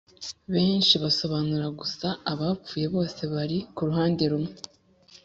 benshi basobanura gusa abapfu bose bari kuruhande rumwe